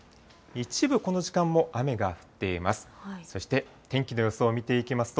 一部、この時間も雨が降っています。